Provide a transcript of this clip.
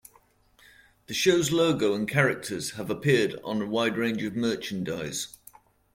The show's logo and characters have appeared on a wide range of merchandise.